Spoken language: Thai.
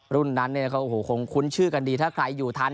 รุ่นนั้นโอ้โหคงคุ้นชื่อกันดีถ้าใครอยู่ทัน